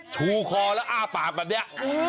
ชูคอแล้วอ้าปากแบบนี้